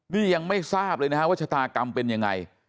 นี่ยังไม่ทราบเลยนะฮะว่าชะตากรรมเป็นยังไง